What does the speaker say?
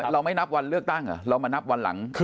เราไม่นับวันเลือกตั้งเหรอเรามานับวันหลัง